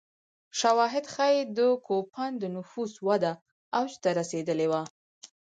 شواهد ښيي د کوپان د نفوس وده اوج ته رسېدلې وه